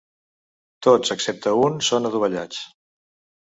Tots excepte un són adovellats.